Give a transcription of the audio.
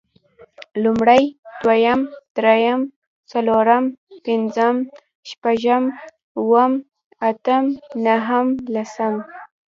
لومړی، دويم، درېيم، څلورم، پنځم، شپږم، اووم، اتم، نهم، لسم